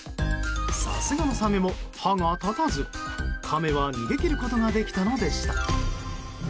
さすがのサメも歯が立たずカメは逃げ切ることができたのでした。